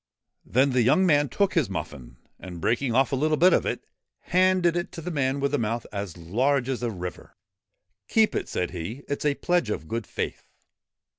Then the young man took his muffin, and, breaking off a little bit of it, handed it to the man with the mouth as large as a river. ' Keep it,' said he ;' it 's a pledge of good faith.'